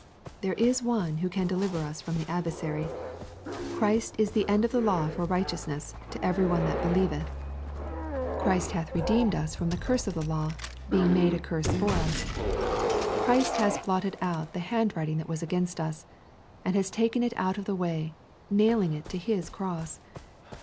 There is One who can deliver us from the adversary. Christ is the end of the law for righteousness to every one that believeth LUKE, CHAP. XII. 106 Christ hath redeemed us from the curse of the law, being made a curse for us. Christ has blotted out the hand writing that was against us, and has taken it out of the way, nailing it to His cross.